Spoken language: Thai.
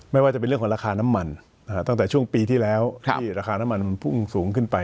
ไม่ว่าจะเป็นเรื่องของราคาน้ำมันตั้งแต่ช่วงปีที่แล้วที่ราคาน้ำมันพุ่งสูงขึ้นไป